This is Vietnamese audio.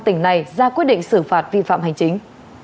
tỉnh này ra quyết định xử phạt vi phạm hành chính